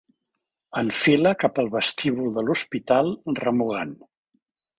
Enfila cap al vestíbul de l'hospital remugant.